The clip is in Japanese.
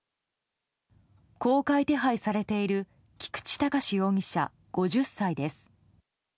公開手配されている菊池隆容疑者、５０歳です。